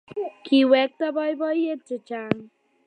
Kiwekta boiboiyet chechang